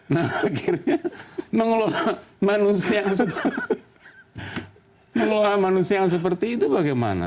nah akhirnya mengelola manusia yang seperti itu bagaimana